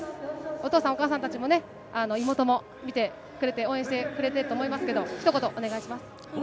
お父さん、お母さんたちもね、妹も見てくれて、応援してくれてると思いますけど、ひと言、お願いします。